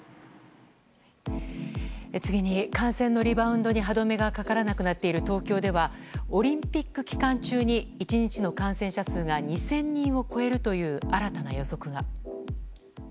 次に、感染のリバウンドに歯止めがかからなくなっている東京では、オリンピック期間中に１日の感染者数が２０００人を超えるという新たな予測が。